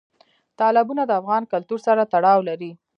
تالابونه د افغان کلتور سره تړاو لري.